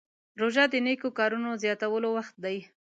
روژه د نیکو کارونو زیاتولو وخت دی.